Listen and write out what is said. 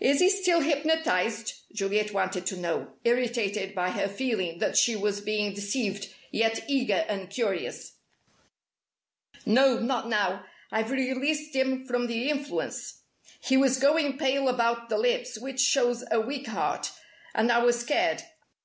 "Is he still hypnotized?" Juliet wanted to know, irritated by her feeling that she was being deceived, yet eager and curious. "No, not now. I've released him from the influence. He was going pale about the lips, which shows a weak heart, and I was scared.